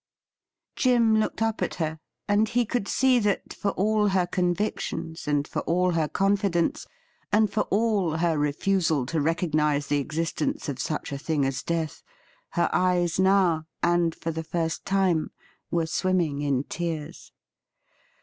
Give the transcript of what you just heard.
Jim looked up at her, and he could see that, for all her convictions, and for all her confidence, and for all her refusal to recognise the existence of such a thing as death, her eyes now, and for the first time, were swimming in tears.